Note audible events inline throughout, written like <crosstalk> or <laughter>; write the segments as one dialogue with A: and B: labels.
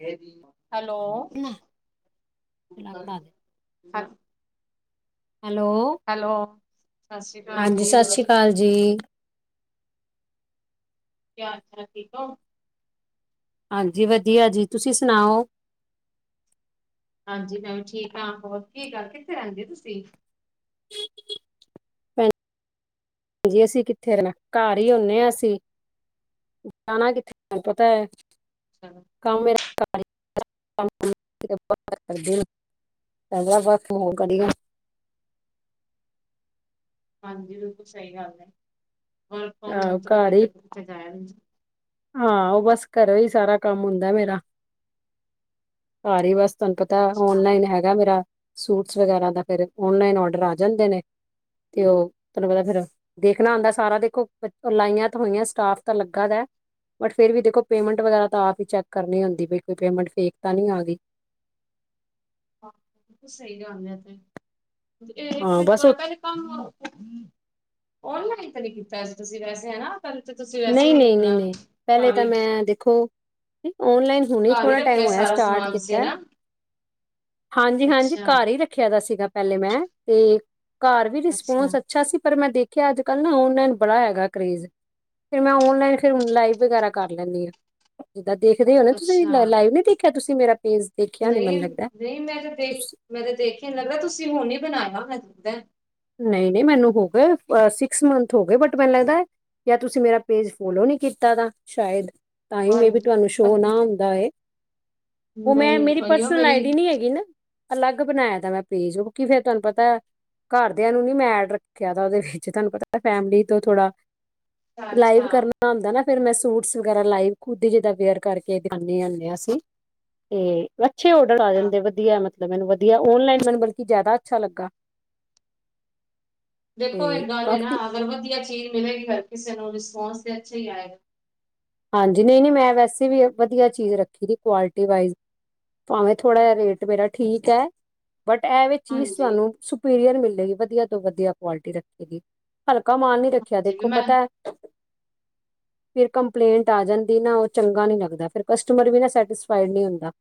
A: ਇਹੀ ਓ
B: <unintelligible> hello
A: hello ਸਤਿ ਸ੍ਰੀ ਅਕਾਲ
B: ਹਾਂਜੀ
A: ਜੀ,
B: ਸਤਿ ਸ੍ਰੀ ਅਕਾਲ ਜੀ,
A: ਕੀ ਹਾਲ ਚਾਲ ਠੀਕ ਹੈ ਜੀ।
B: ਹਾਂਜੀ, ਵਧੀਆ ਜੀ ਤੁਸੀਂ ਸੁਣਾਓ
A: ਹਾਂਜੀ, ਮੈਂ ਵੀ ਠੀਕ ਹਾਂ ਹੋਰ ਕੀ ਗੱਲ ਕਿੱਥੇ ਰਹਿੰਦੇ ਹੋ ਤੁਸੀਂ
B: ਹਾਂ ਜੀ, ਅਸੀਂ ਕਿੱਥੇ ਰਹਿਣ ਘਰ ਹੀ ਹੋਨੇ ਆ ਅਸੀ ਜਾਣਾ ਕਿੱਥੇ ਹੈ, ਪਟਾ ਹੈ
A: ਅੱਛਾ
B: <unintelligible> <unintelligible>
A: ਹਾਂਜੀ, ਬਿਲਕੁਲ ਸਹੀ ਗੱਲ ਹੈ, ਹੂਨ ਤਾਂ ਉਥੇ ਤੇ
B: ਘਰ
A: ਫਿਰ ਤੇ
B: ਹੀ
A: ਕਿੱਥੇ ਜਾਇਆ ਨਈ ਜਾਂਦਾ
B: ਹਾਂ ਓਹ ਬਸ ਘਰੇ ਹੀ ਸਾਰਾ ਕੰਮ ਹੁੰਦਾ ਹੈ ਮੇਰਾ। ਘਰ ਹਿ ਬਸ ਤੁਹਾਨੂੰ ਪਤਾ
A: ਜਾਂਦਾ ਅੱਛਾ
B: ਆਨਲਾਈਨ ਹੈਗਾ ਮੇਰਾ ਸੂਟਸ ਵਗੈਰਾ ਦੇ ਫਿਰ ਆਨਲਾਈਨ ਆਰਡਰ ਆ ਜਾਂਦੇ ਨੇ ਤੇ ਉਹ ਤੁਹਾਨੂੰ ਪਤਾ ਹੈ ਫਿਰ ਦੇਖਣਾ ਹੁੰਦਾ ਸਾਰਾ ਦੇਖੋ। ਲਾਈਨਾਂ ਲੱਗੀਆਂ ਹੁੰਦੀਆਂ ਨੇ, ਸਟਾਫ ਵੀ ਲੱਗਾ ਹੁੰਦਾ ਹੈ। ਪਰ ਫਿਰ ਵੀ ਦੇਖੋ, ਪੇਮੈਂਟ ਵਗੈਰਾ ਤਾਂ ਆਪ ਹੀ ਚੈੱਕ ਕਰਨੀ ਹੁਦੀ ਹੈ ਕਿ ਕੋਈ ਪੇਮੈਂਟ ਫੇਕ ਤਾਂ ਨਹੀਂ ਆ ਗਈ।
A: ਹਾਂ ਜੀ, ਸਹੀ ਗੱਲ ਹੈ। ਇੱਕ
B: ਹਾਂ
A: ਮਿੰਟ
B: ਬਸ ਉਹ
A: ਪਹਿਲਾਂ ਆਨਲਾਈਨ ਤਾਂ ਨਹੀਂ ਕੀਤਾ ਸੀ ਤੁਸੀਂ, ਵੈਸੇ ਹੈ ਨਾ? ਤੁਸੀਂ? ਵੈਸੇ
B: ਨਹੀਂ,
A: ਹੀ ਆਪਣਾ
B: ਨਹੀਂ। ਪਹਿਲਾਂ
A: ਘਰ
B: ਤਾਂ
A: ਹੀ
B: ਮੈਂ ਆਨਲਾਈਨ ਹੀ ਹੁਣੇ
A: ਘਰ
B: ਥੋੜ੍ਹਾ ਟਾਈਮ
A: ਰੱਖਿਆ
B: ਹੋਇਆ ਹੈ,
A: ਸਾਰਾ
B: ਸਟਾਰਟ
A: ਸਮਾਨ ਤੁਸੀਂ
B: ਕੀਤਾ ਹੈ।
A: ਹਨਾ
B: ਹਾਂ ਜੀ, ਹਾਂ ਜੀ,
A: ਅੱਛਾ
B: ਘਰ ਹੀ ਰੱਖਿਆ। ਰੱਖਿਆ ਤਾਂ ਪਹਿਲਾਂ ਵੀ ਸੀਗਾ ਮੈਂ। ਘਰੋਂ ਵੀ ਰਿਸਪਾਂਸ ਅੱਛਾ ਸੀ, ਪਰ ਮੈਂ ਦੇਖਿਆ ਕਿ ਅੱਜਕੱਲ੍ਹ ਨਾ, ਆਨਲਾਈਨ ਦਾ ਬੜਾ ਹੈਗਾ ਕ੍ਰੇਜ਼। ਫਿਰ ਮੈਂ ਆਨਲਾਈਨ ਲਾਈਵ ਵਗੈਰਾ ਕਰ ਲੈਂਦੀ ਹਾਂ, ਦੇਖਦੇ ਹੋ ਨਾ ਤੁਸੀਂ
A: ਅੱਛਾ
B: ਲਾਈਵ ਨ ਦੇਖ। ਖਿਆ ਹੈ ਮੇਰਾ ਪੀਸ
A: ਨਹੀਂ ਨਹੀਂ, ਮੈਂ ਤਾਂ ਦੇਖਿਆ ਨਹੀਂ। ਲੱਗਦਾ ਹੈ ਤੁਸੀਂ ਹੁਣੇ ਹੀ ਬਣਾਇਆ ਹੋਣਾ।
B: ਨਹੀਂ ਨਹੀਂ, ਮੈਨੂੰ ਤਾਂ ਛੇ ਮਹੀਨੇ ਹੋ ਗਏ, ਬਟ ਮੈਨ ਲਗਦਾ ਹੈ ਜਾਂ ਤੁਸੀਂ ਮੇਰਾ ਪੇਜ ਫਾਲੋ ਨਹੀਂ ਕੀਤਾ ਦਾ, ਸ਼ਾਇਦ। ਤਾਂ ਹੀ ਮੇਰੇ ਵੀ
A: ਹਾਂਜੀ
B: ਤੁਹਾਨੂੰ ਸ਼ਾਇਦ ਦਿਖਾਈ ਨਹੀਂ ਦਿੰਦਾ ਹੈ। ਉਹ
A: ਨਹੀਂ
B: ਮੇਰੀ
A: ਭਈਓ
B: ਪਰਸਨਲ
A: ਮੇਰੀ
B: ਆਈਡੀ ਨਹੀਂ ਹੈਗੀ ਨਾ। ਅਲੱਗ ਬਣਾਇਆ ਤਾਂ ਮੈਂ ਪੇਜ, ਕਿਉਕਿ ਫਿਰ ਤੁਹਾਨੂੰ ਪਤਾ? ਘਰਦਿਆਂ ਨੂੰ ਨਹੀਂ ਅੱਡ ਰੱਖਿਆ ਤਾਂ ਉਸ ਵਿੱਚ ਤੁਹਾਨੂੰ ਪਤਾ ਹੈ, ਫੈਮਿਲੀ ਤੋਂ ਥੋੜ੍ਹਾ।
A: ਅੱਛਾ
B: ਲਾਈਵ ਕਰਨਾ।
A: ਅੱਛਾ
B: ਫਿਰ ਮੈਂ ਸੂਟ ਵਗੈਰਾ ਲਾਈਵ ਖੁਦ ਹੀ ਜਿਵੇਂ ਵੇਅਰ ਕਰਕੇ ਦਿਖਾਉਂਦੀ ਹੁੰਦੀ ਸੀ। ਤੇ ਫਿਰ ਚੰਗੇ ਆਰਡਰ ਆ ਜਾਂਦੇ ਸਨ। ਮਤਲਬ ਮੈਨੂੰ ਔਨਲਾਈਨ ਕੰਮ ਜ਼ਿਆਦਾ ਵਧੀਆ ਲੱਗਾ।
A: ਦੇਖੋ,
B: ਤੇ
A: ਇੱਕ ਗੱਲ ਹੈ ਨਾ,
B: ਕਾਫੀ
A: ਅਗਰ ਵਧੀਆ ਚੀਜ਼ ਮਿਲੇਗੀ ਤਾਂ ਕਿਸੇ ਨੂੰ ਵੀ ਰਿਸਪਾਂਸ ਚੰਗਾ ਹੀ ਆਵੇਗਾ।
B: ਹਾਂਜੀ, ਨਹੀਂ ਨਹੀਂ, ਮੈਂ ਵੈਸੇ ਵੀ ਵਡਿਆ ਚੀਜ਼ ਰਖਦੀ ਹ ਕੁਆਲਿਟੀ ਵਾਈਸ। ਭਾਵੇਂ ਥੋੜ੍ਹਾ ਜਿਹਾ ਰੇਟ ਮੇਰਾ ਠੀਕ ਹੈ। ਬਟ ਇਹੋ ਜਿਹੀ ਚੀਜ਼
A: ਹਾਂਜੀ
B: ਤੁਹਾਨੂੰ ਸੁਪੀਰੀਅਰ ਮਿਲੇਗੀ, ਵਧੀਆ ਤੋਂ ਵਧੀਆ ਕੁਆਲਿਟੀ ਰੱਖੀ ਹੈ। ਹਲਕਾ ਮਾਲ ਨਹੀਂ ਰੱਖਿਆ,
A: ਹਾਂਜੀ
B: ਦੇਖੋ
A: ਵੀ ਮੈਂ
B: ਪਤਾ ਹੈ ਫਿਰ। ਸ਼ਿਕਾਇਤ ਆ ਜਾਂਦੀ ਹੈ ਨਾ, ਉਹ ਚੰਗਾ ਨਹੀਂ ਲੱਗਦਾ। ਫਿਰ ਕਸਟਮਰ ਵੀ ਸੈਟਿਸਫਾਈਡ ਨਹੀਂ ਹੁੰਦਾ।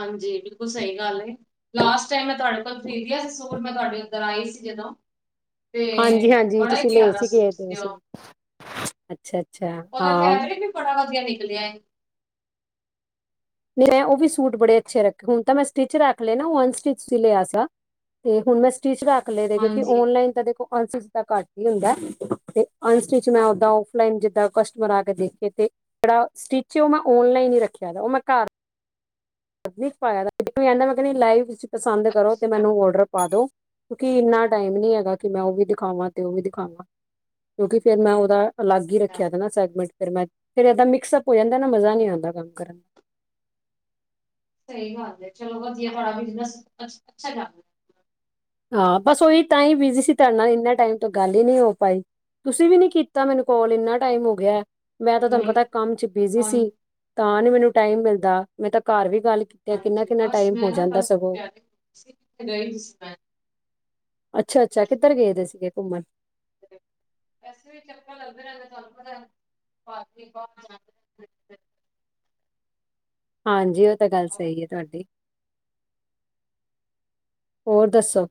A: ਹਾਂਜੀ, ਬਿਲਕੁਲ ਸਹੀ ਗੱਲ ਹੈ। ਲਾਸਤ ਟਾਈਮ ਮੇ ਤੁਹਾਡੇ ਨਾਲ। ਮੈਂ ਤੁਹਾਡੇ ਕੋਲੋਂ ਸੂਟ ਖਰੀਦਿਆ ਸੀ, ਜਦੋਂ ਮੈਂ ਉੱਥੇ ਆਈ ਸੀ। ਤੇ
B: ਹਾਂਜੀ-ਹਾਂਜੀ
A: ਬੜਾ ਹੀ
B: ਤੁਸੀਂ ਲੇ
A: ਪਿਆਰਾ
B: ਸੀਗੇ ਇਹ
A: ਸੂਟ
B: ਤੇ
A: ਸੀ
B: ਵੈਸੈ,
A: ਉਹ
B: ਅੱਛਾ-ਅੱਛਾ।
A: ਉਹਦਾ ਫੈਬਰਿਕ ਵੀ ਬੜਾ ਵਧੀਆ ਨਿਕਲਿਆ ਏ।
B: ਨਹੀਂ ਮੈਂ ਉਹ ਵੀ ਸੂਟ ਬੜੇ ਅੱਛੇ ਰੱਖੇ, ਹੁਣ ਤਾਂ ਮੈਂ ਸਟਿੱਚ ਰੱਖ ਲੇਂ ਨਾਂ, ਉਹ ਅਨਸਟਿਚ ਸੀ ਲਿਆ ਸਾਂ। ਤੇ ਹੁਣ ਮੈਂ ਸਟਿਚ ਰੱਖ ਲਏ ਦੇ ਕਿਉਂਕਿ
A: ਹਾਂਜੀ
B: ਔਨਲਾਈਨ ਤਾਂ ਦੇਖੋ ਅਨਸਟਿਚ ਦਾ ਘੱਟ ਈ ਹੁੰਦਾ ਤੇ ਅਨਸਟਿਚ ਮੈਂ ਓਦਾਂ ਔਫਲਾਈਨ ਜਿੱਦਾਂ ਕਸਟਮਰ ਆ ਕੇ ਦੇਖੇ ਤੇ ਜਿਹੜਾ ਸਟਿੱਚ ਐ ਉਹ ਮੈਂ ਔਨਲਾਈਨ ਈ ਰੱਖਿਆ ਦਾ, ਉਹ ਮੈਂ ਘਰ ਵੀਂ ਪਾਇਆ, ਕਹਿੰਦੀ ਮੈਂ ਕੀਂ ਲਾਈਵ ਤੁਸੀਂ ਪਸੰਦ ਕਰੋ ਤੇ
A: ਅੱਛਾ
B: ਮੈਨੂੰ ਔਡਰ ਪਾ ਦੋ। ਕਿਉਂਕਿ ਇੰਨਾ ਟਾਈਮ ਨੀਂ ਹੈਗਾ ਕਿ ਮੈਂ ਉਹ ਵੀ ਦਿਖਾਵਾਂ ਤੇ ਉਹ ਵੀ ਦਿਖਾਵਾਂ, ਕਿਉਂਕਿ ਫੇਰ ਮੈਂ ਉਹਦਾ ਅਲੱਗ ਈ
A: ਅੱਛਾ
B: ਰੱਖਿਆ ਨਾਂ ਸੈਗਮੈਂਟ ਫ਼ੇਰ ਮੈਂ, ਫ਼ੇਰ ਏਦਾਂ ਮਿਕਸ-ਅਪ ਹੋ ਜਾਂਦਾ ਨਾਂ ਮਜ਼ਾ ਨੀਂ ਆਂਦਾ ਕੰਮ ਕਰਨ
A: ਸਹੀ ਗੱਲ ਐ ਚਲੋ ਵਧੀਆ ਤੁਹਾਡਾ, ਅਛ-ਅਛ-ਅੱਛਾ ਕੰਮ ਐ।
B: ਹਾਂ ਬਸ ਉਹੀ ਤਾਂ ਈ ਬਿਜੀ ਸੀ ਤੁਹਾਡੇ ਨਾਲ ਇੰਨੇ ਟਾਈਮ ਤੋਂ ਗੱਲ ਈ ਨੀਂ ਹੋ ਪਾਈ। ਤੁਸੀਂ ਵੀ ਨੀਂ ਕੀਤਾ ਮੈਨੂੰ ਕਾਲ, ਇੰਨਾ ਟਾਈਮ ਹੋ ਗਿਐ। ਮੈਂ ਤਾਂ
A: ਰਿਹਾ
B: ਤੁਹਾਨੂੰ
A: ਨਹੀਂ
B: ਪਤਾ ਕੰਮ ਚ ਬਿਜ਼ੀ
A: ਹਾਂ
B: ਸੀ, ਤਾਂ ਨੀਂ ਮੈਨੂੰ ਟਾਈਮ ਮਿਲਦਾ, ਮੈਂ ਤਾਂ ਘਰ ਵੀ ਗੱਲ ਕੀਤੇ
A: ਹਾਂਜੀ
B: ਕਿੰਨਾ-ਕਿੰਨਾ
A: ਬਸ
B: ਟਾਈਮ
A: ਮੈਂ
B: ਹੋ
A: ਨਾ
B: ਜਾਂਦਾ
A: ਬਸ
B: ਸਗੋਂ।
A: ਤਿਆਰੀ <unintelligible>
B: ਅੱਛਾ-ਅੱਛਾ
A: ਹਾਂਜੀ
B: ਕਿੱਧਰ ਗਏ ਵੇ ਸੀਗੇ ਘੁੰਮਣ?
A: ਵੈਸੇ ਵੀ ਚੱਕਰ ਲੱਗਦੇ ਰਹਿੰਦੇ ਨੇ ਤੁਹਾਨੂੰ ਪਤਾ <unintelligible>
B: ਹਾਂਜੀ ਇਹ ਤਾਂ ਗੱਲ ਸਹੀ ਐ ਤੁਹਾਡੀ। ਹੋਰ ਦੱਸੋ?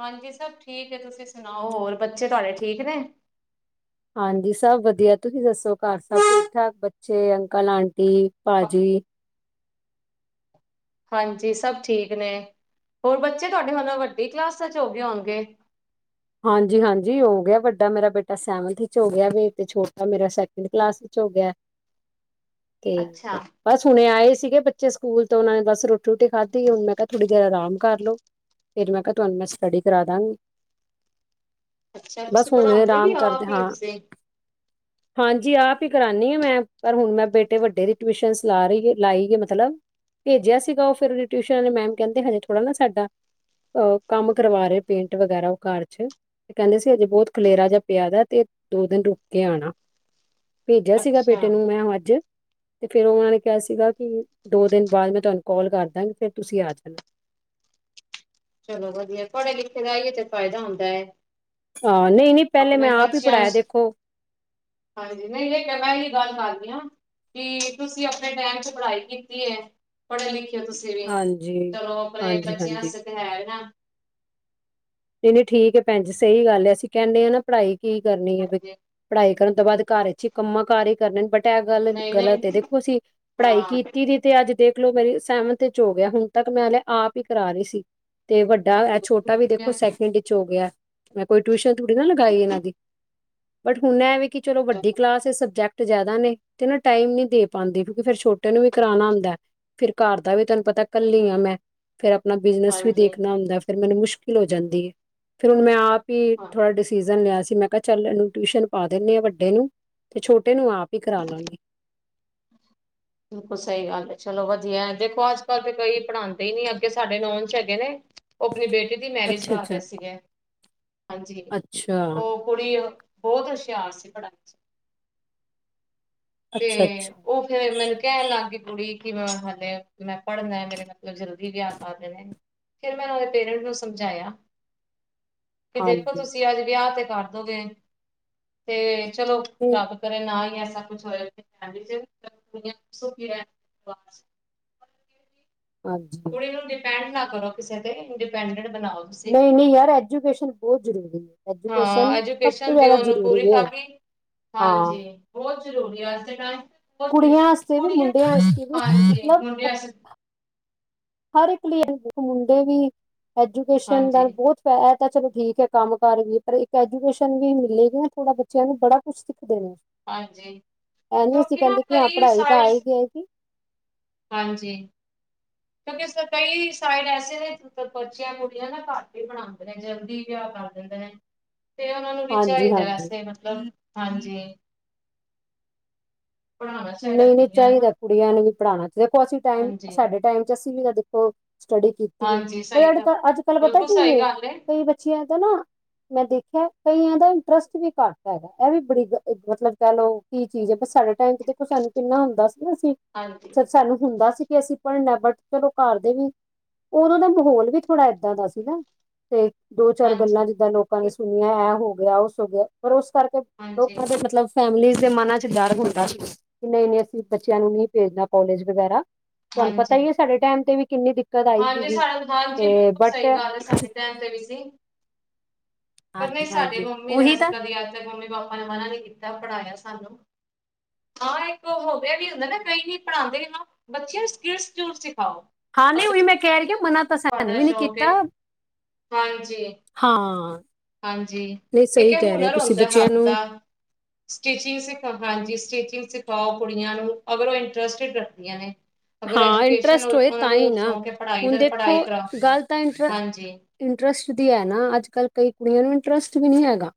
A: ਹਾਂਜੀ ਸਭ ਠੀਕ ਹੈ ਤੁਸੀਂ ਸੁਣਾਓ ਹੋਰ ਬੱਚੇ ਤੁਹਾਡੇ ਠੀਕ ਨੇ?
B: ਹਾਂਜੀ ਸਭ ਵਧੀਆ ਤੁਸੀਂ ਦੱਸੋ ਘਰ ਸਭ ਠੀਕ-ਠਾਕ ਬ ਚੇ ਅੰਕਲ, ਆਂਟੀ, ਭਾਜੀ।
A: ਹਾਂਜੀ ਸਭ ਠੀਕ ਨੇ, ਹੋਰ ਬੱਚੇ ਤੁਹਾਡੇ ਮਤਲਬ ਵੱਡੀ ਕਲਾਸਾਂ 'ਚ ਹੋ ਗਏ ਹੋਣਗੇ।
B: ਹਾਂਜੀ-ਹਾਂਜੀ ਹੋ ਗਿਆ ਵੱਡਾ ਮੇਰਾ ਬੇਟਾ ਸੈੰਵਨਥ ਵਿੱਚ ਹੋ ਗਿਆ ਵੇ ਤੇ ਛੋਟਾ ਮੇਰਾ ਸੈਕਿੰਡ ਕਲਾਸ ਵਿੱਚ ਹੋ ਗਿਆ। ਤੇ
A: ਅੱਛਾ
B: ਬਸ ਹੁਣੇ ਆਏ ਸੀਗੇ ਬੱਚੇ ਸਕੂਲ ਤੋਂ ਉਹਨਾਂ ਨੇ ਬਸ ਰੋਟੀ-ਰੁਟੀ ਖਾਧੀ ਮੈਂ ਕਿਹਾ ਥੋੜ੍ਹੀ ਦੇਰ ਆਰਾਮ ਕਰ ਲਓ। ਫ਼ਿਰ ਮੈਂ ਕਿਹਾ ਤੁਹਾਨੂੰ ਮੈਂ ਸਟੱਡੀ ਕਰਦਾਂਗੀ।
A: ਅੱਛਾ ਤੁਸੀਂ
B: ਬਸ ਹੁਣੇ
A: ਪੜ੍ਹਾਉਂਦੇ ਵੀ
B: ਆਰਾਮ ਕਰਦੇ
A: ਆਪ ਹੀ ਹੋ
B: ਹਾਂ।
A: ਤੁਸੀਂ
B: ਹਾਂਜੀ ਆਪ ਈ ਕਰਾਂਨੀਂ ਆ ਮੈਂ, ਪਰ ਹੁਣ ਮੈਂ ਬੇਟੇ ਵੱਡੇ ਦੀ ਟਿਊਸ਼ਨ ਲਾ ਰਹੀ ਲਾਈ ਏ ਮਤਲਬ ਭੇਜਿਆ ਸੀਗਾ ਉਹ ਫ਼ਿਰ ਟਿਊਸ਼ਨ ਵਾਲੇ ਮੈਮ ਕਹਿੰਦੇ ਹਜੇ ਥੋੜ੍ਹਾ ਨਾ ਸਾਡਾ ਅ ਕੰਮ ਕਰਵਾ ਰਹੇ ਪੇਂਟ ਵਗੈਰਾ ਘਰ 'ਚ', ਤੇ ਕਹਿੰਦੇ ਸੀ ਹਜੇ ਬਹੁਤ ਖਲੇਰਾ ਜਾ ਪਿਆ ਵਾ ਤੇ ਦੋ-ਦਿਨ ਰੁਕ ਕੇ ਆਣਾ। ਭੇਜਿਆ ਸੀਗਾ
A: ਅੱਛਾ
B: ਬੇਟੇ ਨੂੰ ਮੈਂ ਉਹ ਅੱਜ। ਤੇ ਫਿਰ ਉਹਨਾਂ ਨੇ ਕਿਹਾ ਸੀਗਾ ਕਿ ਦੋ ਦਿਨ ਬਾਅਦ ਮੈਂ ਤੁਹਾਨੂੰ ਕੋਲ ਕਰਦਾਂਗੀ ਫੇਰ ਤੁਸੀਂ ਆ ਜਾਣਾ।
A: ਚਲੋ ਵਧੀਆ ਪੜ੍ਹੇ-ਲਿਖੇ ਦਾ ਇਹੀਓ ਤੇ ਫਾਇਦਾ ਹੁੰਦਾ ਹੈ।
B: ਆਹ ਨਈ-ਨਈ ਪਹਿਲੇ
A: ਆਪਣੇ
B: ਮੈਂ ਆਪ ਹੀ
A: ਬੱਚਿਆਂ
B: ਪੜ੍ਹਾਇਆ
A: ਚ
B: ਦੇਖੋ
A: ਹਾਂਜੀ ਨਈਂ-ਨਈਂ ਪਹਿਲਾਂ ਦੀ ਗੱਲ ਕਰਦੀਆਂ। ਕੀ ਤੁਸੀਂ ਆਪਣੇ ਟਾਈਮ 'ਚ' ਪੜ੍ਹਾਈ ਕੀਤੀ ਐ। ਪੜ੍ਹੇ-ਲਿਖੇ ਹੋ ਤੁਸੀਂ ਵੀ,
B: ਹਾਂਜੀ
A: ਚਲੋ ਆਪਣੇ
B: ਹਾਂਜੀ
A: ਬੱਚਿਆਂ
B: ਹਾਂਜੀ
A: ਵਾਸਤੇ ਤਾਂ ਹੈ ਨਾ।
B: ਨਈਂ-ਨਈਂ ਠੀਕ ਹੈ ਭੈਣਜੀ ਸਹੀ ਗੱਲ ਐ ਅਸੀਂ ਕਹਿੰਦੇ ਆਂ ਨਾ ਪੜ੍ਹਾਈ ਕੀ ਕਰਨੀ ਐ ਬੀ
A: ਹਾਂਜੀ
B: ਪੜ੍ਹਾਈ ਕਰਨ ਤੋਂ ਬਾਅਦ ਘਰ 'ਚ' ਕੰਮਾਂ-ਕਾਰਾਂ ਹੀ ਕਰਨੇ ਨੇ ਬਟ ਐ ਗੱਲ
A: ਨਹੀਂ ਨਹੀਂ
B: ਗਲਤ ਦੇਖੋ ਅਸੀਂ, ਪੜ੍ਹਾਈ
A: ਹਾਂ
B: ਕੀਤੀ ਦੀ ਤੇ ਅੱਜ ਦੇਖਲੋ ਮੇਰੀ ਸੈਵਨਥ 'ਚ' ਵੀ ਹੋ ਗਿਆ ਹੁਣ ਤੱਕ ਮੈਂ ਹਲੇ ਆਪ ਈ ਕਰਾ ਰਹੀ ਸੀ। ਤੇ ਵੱਡਾ ਐਹ
A: ਬਿਲਕੁਲ
B: ਛੋਟਾ ਵੀ ਦੇਖੋ
A: ਵਧੀਆ
B: ਸੈਕਿੰਡ ਵਿੱਚ ਹੋ ਗਿਆ ਮੈਂ ਕੋਈ ਟਿਊਸ਼ਨ ਥੋੜੀ ਨਾ ਲਗਾਈ ਇਹਨਾਂ ਦੀ, ਬਟ ਹੁਣ ਐਹ ਵੀ ਕਿ ਚਲੋ ਵੱਡੀ ਕਲਾਸ ਐ ਸਬਜੈਕਟ ਸਬਜੈਕਟ ਜ਼ਿਆਦਾ ਨੇ, ਤੇ ਨਾਂ ਟਾਈਮ ਨੀ ਦੇ ਪਾਂਦੀ ਕਿਉਂਕਿ ਫ਼ਿਰ ਛੋਟੇ ਨੂੰ ਵੀ ਕਰਾਉਣਾ ਹੁੰਦਾ। ਫੇਰ ਘਰ ਦਾ ਵੀ ਤੈਨੂੰ ਪਤਾ ਕੱਲੀ ਆ ਮੈਂ। ਫਿਰ ਆਪਣਾ ਬਿਜਨਸ ਵੀ
A: ਹਾਂਜੀ
B: ਦੇਖਣਾ ਹੁੰਦਾ ਫ਼ੇਰ ਮੈਨੂੰ ਮੁਸ਼ਕਿਲ ਹੋ ਜਾਂਦੀ ਏ, ਫਿਰ ਹੁਣ ਮੈਂ ਆਪ ਵੀ
A: ਹਾਂ
B: ਥੋੜਾ ਡਿਸੀਜ਼ਨ ਲਿਆ ਸੀ ਮੈਂ ਕਿਹਾ ਚੱਲ ਇਹਨੂੰ ਟਿਊਸ਼ਨ ਪਾ ਦਿੰਦੀ ਆ ਵੱਡੇ ਨੂੰ ਤੇ ਛੋਟੇ ਨੂੰ ਆਪ ਹੀ ਕਰਾ ਲਵਾਂਗੀ
A: ਹ <inaudible> ਬਿਲਕੁਲ ਸਹੀ ਗੱਲ ਹੈ ਚਲੋ ਵਧੀਆ ਦੇਖੋ ਅੱਜਕੱਲ ਤੇ ਕੋਈ ਪੜ੍ਹਾਉਂਦੇ ਨੀ ਅੱਗੇ ਸਾਡੇ ਨੋਨ 'ਚ ਹੈਗੇ ਨੇ ਉਹ ਆਪਣੀ ਬੇਟੇ ਦੀ ਮੈਰਿਜ
B: ਅੱਛਾ
A: ਕਰ ਰਹੇ
B: ਅੱਛਾ
A: ਸੀਗੇ ਹਾਂਜੀ
B: ਅੱਛਾ
A: ਉਹ ਕੁੜੀ ਉਹ ਬਹੁਤ ਹੁਸ਼ਿਆਰ ਸੀ ਪੜ੍ਹਨ 'ਚ ਤੇ
B: ਅੱਛਾ ਅੱਛਾ
A: ਉਹ ਫੇਰ ਮੈਨੂੰ ਕਹਿਣ ਲੱਗ ਗਈ ਕੁੜੀ ਕਿ ਮੈਂ ਹਾਲੇ ਮੈਂ ਪੜ੍ਹਨਾ ਮੇਰੇ ਮਤਲਬ ਜਲਦੀ ਵਿਆਹ ਕਰ ਦੇਣੇ ਫਿਰ ਮੈਂ ਉਹਦੇ ਪੇਰੈਂਟ ਨੂੰ ਸਮਝਾਇਆ ਕਿ ਦੇਖੋ
B: ਹਾਂਜੀ
A: ਤੁਸੀਂ ਅੱਜ ਵਿਆਹ ਤੇ ਕਰਦੋਗੇ ਤੇ ਚਲੋ
B: ਤੇ
A: ਰੱਬ ਕਰੇ ਨਾ ਹੀ ਐਸਾ ਕੁਛ ਹੋਏ ਜਿੰਦਗੀ 'ਚ <unintelligible>
B: ਹਾਂਜੀ।
A: ਕੁੜੀ ਨੂੰ ਡਿਪੈਂਡ ਨਾ ਕਰੋ ਕਿਸੇ ਤੇ ਇੰਡੀਪੈਂਡੈਂਟ ਬਣਾਓ। ਤੁਸੀਂ
B: ਨਈ ਨਈ ਯਾਰ, ਐਜੂਕੇਸ਼ਨ ਬੋਤ ਜ਼ਰੂਰੀ,
A: ਹਾਂ
B: ਐਜੂਕੇਸ਼ਨ ਸਭ ਤੋਂ
A: ਐਜੂਕੇਸ਼ਨ
B: ਜਾਦਾ
A: ਦਿਓ ਉਹਨੂੰ
B: ਜ਼ਰੂਰੀ
A: ਪੂਰੀ ਤਾਂ
B: ਏ।
A: ਕਿ ਹਾਂਜੀ ਬੋਤ ਜ਼ਰੂਰੀ ਏ ਅੱਜ ਦੇ ਟਾਈਮ ਤੇ <unintelligible>
B: ਕੁੜੀਆਂ ਵਾਸਤੇ ਵੀ
A: ਕੁੜੀਆਂ
B: ਮੁੰਡਿਆਂ ਵਾਸਤੇ ਵੀ
A: ਹਾਂਜੀ
B: ਮਤਲਬ
A: ਮੁੰਡੇ <unintelligible>
B: ਹਰ ਇੱਕ ਲਈ ਦੇਖੋ ਮੁੰਡੇ ਵੀ ਐਜੂਕੇਸ਼ਨ ਨਾਲ
A: ਹਾਂਜੀ
B: ਬੋਤ ਐ ਤਾਂ ਚਲੋ ਠੀਕ ਐ ਕੰਮ ਕਾਰ ਵੀ ਪਰ ਇੱਕ ਐਜੂਕੇਸ਼ਨ ਵੀ ਮਿਲੇਗੀ ਨਾ ਥੋੜਾ ਬੱਚਿਆਂ ਨੂੰ ਬੜਾ ਕੁਛ ਸਿੱਖਦੇ ਨੇ।
A: ਹਾਂਜੀ
B: ਐ ਨੀ ਅਸੀਂ
A: ਕਿਉਂਕਿ ਨਾ
B: ਕਹਿੰਦੇ ਕਿ ਹਾਂ
A: ਕਈ
B: ਪੜ੍ਹਾਈ ਤਾਂ
A: ਸਾਈਡਸ
B: ਆਏਗੀ ਆਏਗੀ।
A: ਹਾਂਜੀ। ਕਿਉਂਕਿ ਇਸ ਦੇ ਕਈ ਸਾਈਡ ਐਸੇ ਨੇ ਜਿੱਥੇ ਬੱਚੇ ਕੁੜੀਆਂ ਨਾ ਘੱਟ ਈ ਪੜ੍ਹਾਂਦੇ ਨੇ ਜਲਦੀ ਵਿਆਹ ਕਰ ਦੇਂਦੇ ਨੇ। ਤੇ ਓਨਾਂ ਨੂੰ ਵੀ
B: ਹਾਂਜੀ
A: ਚਾਈਦਾ
B: ਹਾਂਜੀ
A: ਐਸੇ ਮਤਲਬ ਮਤਲਬ ਹਾਂਜੀ। ਪੜ੍ਹਾਉਣਾ ਚਾਹੀਦਾ
B: ਨਈ ਨਈ
A: ਕੁੜੀਆਂ ਨੂੰ
B: ਚਾਈਦਾ
A: ਨਾ
B: ਕੁੜੀਆਂ ਨੂੰ ਵੀ ਪੜ੍ਹਾਣਾ ਤੇ ਦੇਖੋ ਅਸੀਂ ਟਾਈਮ
A: ਹਾਂਜੀ
B: ਸਾਡੇ ਟਾਈਮ 'ਚ ਅਸੀਂ ਵੀ ਤਾਂ ਦੇਖੋ ਸਟੱਡੀ ਕੀਤੀ ਏ,
A: ਹਾਂਜੀ ਸਹੀ ਗੱਲ
B: <unintelligible> ਅੱਜ ਕੱਲ ਪਤਾ
A: ਬਿਲਕੁਲ
B: ਕੀ
A: ਸਹੀ
B: ਏ
A: ਗੱਲ
B: ਕਈ ਬੱਚਿਆਂ ਦਾ ਨਾ ਮੈਂ ਦੇਖਿਆ ਕਈਦਾ ਇੰਟਰਸਟ ਵੀ ਘੱਟ ਹੈਗਾ ਐ ਵੀ ਬੜੀ ਮਤਲਬ ਕਹਿ ਲੋ ਕੀ ਚੀਜ਼ ਐ ਪਰ ਸਾਡੇ ਟਾਈਮ 'ਚ ਦੇਖੋ ਸਾਨੂੰ ਕਿੰਨਾ ਹੁੰਦਾ ਸੀ ਨਾ ਅਸੀਂ
A: ਹਾਂਜੀ
B: <unintelligible> ਸਾਨੂੰ ਹੁੰਦਾ ਸੀ ਕਿ ਅਸੀਂ ਪੜਨਾ ਐ ਬਟ ਚਲੋ ਘਰ ਦੇ ਵੀ ਓਦੋਂ ਦਾ ਮਾਹੌਲ ਵੀ ਥੋੜਾ ਏਦਾਂ ਦਾ ਸੀ ਨਾ। ਤੇ ਦੋ ਚਾਰ
A: ਹਾਂਜੀ
B: ਗੱਲਾਂ ਜਿੱਦਾਂ ਲੋਕਾਂ ਨੇ ਸੁਨਿਆਂ ਐ ਹੋ ਗਿਆ ਉਸ ਹੋ ਗਿਆ ਔਰ ਉਸ ਕਰਕੇ
A: ਹਾਂਜੀ
B: ਲੋਕਾਂ ਦੇ ਮਤਲਬ ਫੈਮਲੀ ਦੇ ਮਨਾਂ 'ਚ ਡਰ ਹੁੰਦਾ ਸੀ। ਕਿ ਨਈ ਨਈ ਅਸੀਂ ਬੱਚਿਆਂ ਨੂੰ ਨੀ ਭੇਜਨਾ ਕੋਾਲਜ ਵਗੈਰਾ ਤੁਹਾਨੂੰ ਪਤਾ ਈ
A: ਹਾਂਜੀ
B: ਐ ਸਾਡੇ ਟਾਈਮ ਤੇ ਵੀ ਕਿੰਨੀ ਦਿੱਕਤ ਆਈ
A: ਹਾਂਜੀ
B: ਸੀਗੀ
A: <unintelligible> ਹਾਂਜੀ
B: ਤੇ
A: ਬਿਲਕੁਲ
B: ਬਟ
A: ਸਈ ਗੱਲ ਐ ਸਾਡੇ ਟਾਈਮ ਤੇ ਵੀ ਸੀ। ਪਰ ਨਹਈ
B: ਹਾਂਜੀ
A: ਸਾਡੇ
B: ਹਾਂਜੀ
A: ਮੰਮੀ ਨੇ
B: ਉਹੀ
A: ਵੈਸੇ
B: ਤਾਂ
A: ਕਦੀ ਅੱਜ ਤੱਕ ਮੰਮੀ ਪਾਪਾ ਨੇ ਮਨਾ ਨੀ ਕੀਤਾ ਪੜ੍ਹਾਇਆ ਸਾਨੂੰ। ਹਾਂ ਇੱਕ ਹੋ <unintelligible> ਵੀ ਹੁੰਦਾ ਨਾ ਕਈ ਹੀ ਪੜ੍ਹਾਦੇ ਨਾ ਬੱਚਿਆਂ ਨੂੰ ਸ੍ਕਿਲ ਸਕੂਲ ਸਿਖਾਓ।
B: ਹਾਂ ਨਹੀਂ
A: ਅਗਰ <unintelligible>
B: ਉਹੀ ਮੈਂ ਕਹਿ ਰਹੀ ਹਾਂ
A: ਕੁੜੀਆਂ ਦਾ
B: ਮਨਾ ਤਾਂ
A: ਬ੍ਯੂਟੀ
B: ਸਾਨੂੰ
A: ਪਾਰਲਰ
B: ਵੀ
A: ਦਾ
B: ਨੀ
A: ਸ਼ੌਕ
B: ਕੀਤਾ
A: ਏ ਹਾਂਜੀ।
B: ਹਾਂ।
A: ਹਾਂਜੀ
B: ਨਹੀਂ
A: ਇੱਕ
B: ਸਹੀ
A: ਐ
B: ਕਹਿ ਰਹੇ ਹੋ
A: ਹੁਨਰ
B: ਤੁਸੀਂ
A: ਹੁੰਦਾ
B: ਬੱਚਿਆਂ
A: ਹੱਥ ਦਾ।
B: ਨੂੰ
A: ਸਟਿਚਿੰਗ ਸਿਖਾ ਹਾਂਜੀ ਸਟਿਚਿੰਗ ਸਿਖਾਓ ਕੁੜੀਆਂ ਨੂੰ, ਅਗਰ ਓ ਇੰਟਰਸਟਡ ਰੱਖਦੀਆਂ ਨੇ। ਅਗਰ
B: ਹਾਂ
A: ਐਜੂਕੇਸ਼ਨ
B: ਇੰਟਰਸਟ ਹੋਏ
A: ਓਨਾਂ
B: ਤਾਂ ਹੀ
A: ਨੂੰ
B: ਨਾ
A: ਸ਼ੌਕ ਐ ਪੜਾਈ
B: ਹੁਣ
A: ਦਾ, ਪੜ੍ਹਾਈ
B: ਦੇਖੋ
A: ਕਰਾ
B: ਗੱਲ ਤਾਂ ਇੰਟਰ
A: ਹਾਂਜੀ।
B: ਇੰਟਰਸਟ ਦੀ ਐ ਨਾ ਅੱਜ ਕੱਲ ਕਈ ਕੁੜੀਆਂ ਨੂੰ ਇੰਟਰਸਟ ਵੀ ਨੀ ਹੈਗਾ।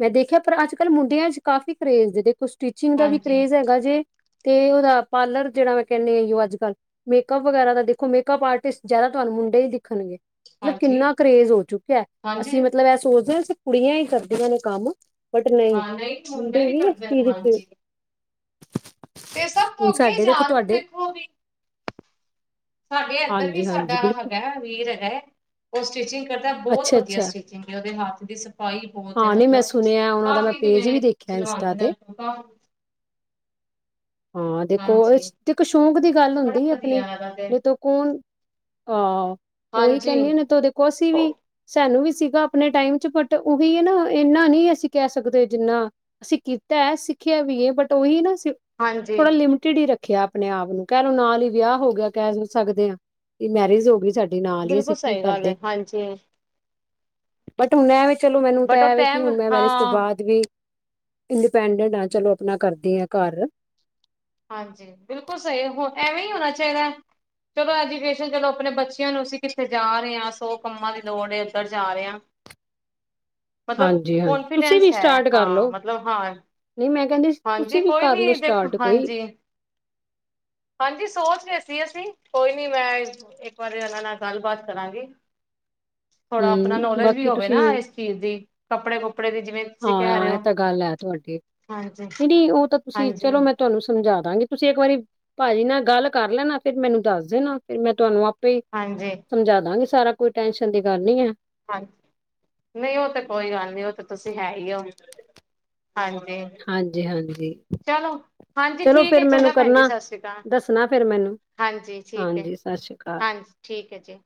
B: ਮੈਂ ਦੇਖਿਆ ਪਰ ਅੱਜ ਕੱਲ ਮੁੰਡਿਆਂ 'ਚ ਕਾਫੀ ਕਰੇਜ਼ ਏ ਦੇਖੋ ਸਟਿਚਿੰਗ ਦਾ ਵੀ
A: ਹਾਂਜੀ
B: ਕਰੇਜ ਹੈਗਾ ਜੇ ਤੇ ਓਦਾ ਪਾਰਲਰ ਜੇੜਾ ਮੈਂ ਕਹਨੀ <unintelligible> ਅੱਜ ਕੱਲ ਮੇਅਪ ਵਗੈਰਾ ਦਾ ਦੇਖੋ ਮੇਕਅਪ ਆਰਟਿਸਟ ਜਾਦਾ ਤੁਹਾਨੂੰ ਮੁੰਡੇ ਈ ਦਿਖਨਗੇ। ਮਤਲਬ
A: ਹਾਂਜੀ
B: ਕਿੰਨਾ ਕਰੇਜ਼ ਹੋ ਚੁੱਕਿਆ
A: ਹਾਂਜੀ
B: ਅਸੀਂ ਮਤਲਬ ਐ ਸੋਚਦੇ ਆਂ ਅ ਕੁੜੀਆਂ ਈ ਕਰਦੀਆਂ ਨੇ ਕੰਮ। ਬਟ ਨਈ
A: ਹਾਂ ਨਹੀਂ
B: ਮੁੰਡੇ ਵੀ ਇਸ
A: ਕਰਦੇ ਨੇ
B: ਚੀਜ਼ 'ਚ
A: ਹਾਂਜੀ। ਤੇ ਸਭ ਤੋਂ
B: ਹੁਣ
A: ਅੱਗੇ
B: ਸਾਡੇ
A: ਜਾ
B: ਦੇਖੋ
A: ਰੇ ਨੇ
B: ਤੁਹਾਡੇ
A: ਦੇਖੋ ਵੀ ਸਾਡੇ ਏਧਰ ਵੀ
B: ਹਾਂਜੀ
A: ਸਾਡਾ
B: ਹਾਂਜੀ ਬਿਲਕੁਲ
A: ਹੈਗਾ ਵੀਰ ਹੈਗਾ ਐ ਓ ਸਟਿਚਿੰਗ ਕਰਦਾ ਬੋਤ
B: ਅੱਛਾ
A: ਵਧੀਆ
B: ਅੱਛਾ
A: ਸਟਿਚ ਚਿੰਗ ਓਦੇ ਹੱਥ ਦੀ ਸਫ਼ਾਈ ਬੋਤ ਏ
B: ਹਾਂ ਨਹੀਂ ਮੈਂ
A: ਮਤਲਬ
B: ਸੁਣਿਆ ਉਹਨਾਂ ਦਾ ਮੈਂ
A: ਕਾਫੀ
B: ਪੇਜ
A: ਜਿਵੇਂ
B: ਵੀ ਦੇਖਿਆ ਇੰਸਟਾ
A: ਸਿਲਵਾਂਦੇ ਨੇ।
B: ਤੇ
A: <unintelligible>
B: ਹਾਂ ਦੇਖੋ
A: ਹਾਂਜੀ
B: ਏਸ 'ਚ ਦੇਖੋ ਸ਼ੌਕ ਦੀ ਗੱਲ
A: ਬੜਾ
B: ਹੁੰਦੀ ਅਪਨੀ
A: ਵਧੀਆ ਹੈਗਾ ਤੇ
B: ਨਈ ਤੋ ਕੋਨ, ਆਹ ਓਈ
A: ਹਾਂਜੀ
B: ਕੈਨੀ ਨਾ ਅਸੀਂ ਵੀ ਸਾਨੂੰ ਵੀ ਸੀਗਾ ਅਪਨੇ ਟਾਈਮ 'ਚ ਬਟ ਓਹੀ ਏ ਨਾ ਇੰਨਾ ਨੀ ਅਸੀਂ ਕਹਿ ਸਕਦੇ ਜਿੰਨਾ ਅਸੀਂ ਕੀਤੈ ਸਿੱਖਿਆ ਵੀ ਏ ਬਟ ਓਹੀ ਨਾ
A: ਹਾਂਜੀ
B: ਥੋੜਾ ਲਿਮਿਟ ਟਿਢ ਹੀ ਰੱਖਿਆ ਅਪਨੇ ਆਪ ਨੂੰ ਕਹ ਲਓ ਨਾਲ ਹੀ ਵਿਆਹ ਹੋ ਗਿਆ ਕਹਿ ਸਕਦੇ ਆਂ ਕਿ ਮੈਰਿਜ ਹੋ ਗੀ ਸਾਡੀ ਨਾਲ ਈ
A: ਬਿਲਕੁਲ
B: ਅਸੀਂ ਕੀ
A: ਸਹੀ ਗੱਲ
B: ਕਰਦੇ।
A: ਹੈ ਹਾਂਜੀ
B: ਬਟ ਹੁਨ ਐਵੇ ਚਲੋ ਮੈਨੂੰ ਤਾਂ
A: ਬਟ ਉਹ
B: ਐਵੇ ਕਿ
A: ਟਾਈਮ
B: ਹੁਨ ਮੈਂ ਮੈਰਿਜ ਤੋਂ
A: ਹਾਂ
B: ਬਾਦ ਵੀ ਇੰਡੀਪੈਂਡੈਂਟ ਆ, ਚਲੋ ਆਪਣਾ ਕਰਦੀ ਹਾਂ ਘਰ
A: ਹਾਂਜੀ, ਬਿਲਕੁਲ ਸਹੀ, ਹੁ ਐਵੇਂ ਹੀ ਹੋਣਾ ਚਾਹੀਦਾ। ਚਲੋ ਐਜੂਕੇਸ਼ਨ, ਚਲੋ ਆਪਣੇ ਬੱਚਿਆਂ ਨੂੰ, ਅਸੀਂ ਕਿੱਥੇ ਜਾ ਰਹੇ ਹਾਂ ਸੌ ਕੰਮਾਂ ਦੀ ਲੋੜ ਏ, ਉੱਧਰ ਜਾ ਰਹੇ ਹਾਂ। ਮਤਲਬ
B: ਹਾਂਜੀ ਹਾਂਜੀ ਤੁਸੀਂ ਵੀ
A: ਕੋਨਫੀਡੈਂਸ ਹੈ
B: ਸਟਾਰਟ ਕਰ
A: ਹਾਂ,
B: ਲਓ
A: ਮਤਲਬ ਹਾਂ।
B: ਨਹੀਂ, ਮੈਂ ਕਹਿੰਦੀ ਸੀ
A: ਹਾਂਜੀ
B: ਤੁਸੀਂ ਵੀ
A: ਕੋਈ
B: ਕਰ ਲਓ
A: ਨੀ, ਦੇਖ
B: ਸਟਾਰਟ ਕੋਈ
A: ਹਾਂਜੀ ਹਾਂਜੀ ਸੋਚ ਰਹੇ ਸੀ ਅਸੀਂ, ਕੋਈ ਨੀ ਮੈਂ ਇੱਕ ਵਾਰੀ, ਉਹਨਾਂ ਨਾਲ ਗੱਲਬਾਤ ਕਰਾਂਗੀ। ਥੋੜਾ ਆਪਣਾ
B: ਹੂੰ
A: ਨੌਲੇਜ ਵੀ
B: ਬਾਕੀ
A: ਹੋਵੇ
B: ਤੁਸੀਂ
A: ਨਾ ਇਸ ਚੀਜ਼ ਦੀ, ਕੱਪੜੇ- ਕੁਪੜੇ ਦੀ ਜਿਵੇਂ ਤੁਸੀਂ ਕਹਿ
B: ਹਾਂ
A: ਰਹੇ
B: ਇਹ
A: ਹੋ
B: ਤਾਂ ਗੱਲ ਹੈ ਤੁਹਾਡੀ,
A: ਹਾਂਜੀ
B: ਨਹੀਂ ਨਹੀਂ ਉਹ ਤਾਂ ਤੁਸੀਂ
A: ਹਾਂਜੀ
B: ਚਲੋ, ਮੈਂ ਤੁਹਾਨੂੰ ਸਮਝਾ ਦਾਂਗੀ। ਤੁਸੀਂ ਇੱਕ ਵਾਰੀ ਭਾਜੀ ਨਾਲ ਗੱਲ ਕਰ ਲੈਣਾ, ਫਿਰ ਮੈਨੂੰ ਦੱਸ ਦੇਣਾ। ਫਿਰ ਮੈਂ ਤੁਹਾਨੂੰ ਆਪੇ ਹੀ
A: ਹਾਂਜੀ।
B: ਸਮਝਾ ਦਾਂਗੀ ਸਾਰਾ ਕੁ, ਕੋਈ ਟੈਸ਼ਨ ਦੀ ਗੱਲ ਨੀ ਹੈ।
A: ਹਾਂਜੀ, ਨਹੀਂ ਉਹ ਤੇ ਕੋਈ ਗੱਲ ਨੀ, ਉਹ ਤੇ ਤੁਸੀਂ ਹੈ ਹੀੳ। ਹਾਂਜੀ,
B: ਹਾਂਜੀ ਹਾਂਜੀ
A: ਚਲੋ, ਹਾਂਜੀ
B: ਚਲੋ
A: ਠੀਕ ਏ
B: ਫਿਰ ਮੈਨੂੰ
A: ਚੰਗਾ ਭੈਣ ਜੀ,
B: ਕਰਨਾ
A: ਸਤਿ ਸ਼੍ਰੀ
B: ਦੱਸਣਾ ਫੇਿਰ ਮੈਨੂੰ
A: ਹਾਂਜੀ ਠੀਕ ਏ,
B: ਹਾਂਜੀ ਸਤਿ ਸ਼੍ਰੀ ਅਕਾਲ
A: ਹਾਂਜੀ ਠੀਕ ਏ ਜੀ।